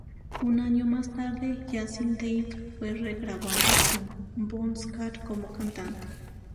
Un año más tarde, ya sin Dave, fue regrabada con Bon Scott como cantante.